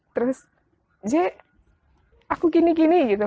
terus j aku gini gini gitu